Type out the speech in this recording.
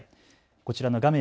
こちらの画面